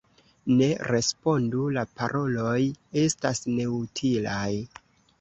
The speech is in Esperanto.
Ne respondu: la paroloj estas neutilaj.